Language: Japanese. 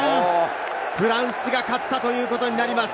フランスが勝ったということになります。